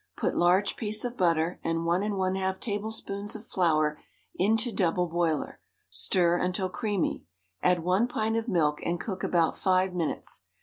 Put large piece of butter and one and one half tablespoons of flour into double boiler. Stir until creamy. Add one pint of milk and cook about five minutes.